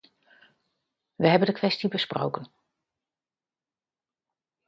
We hebben de kwestie besproken.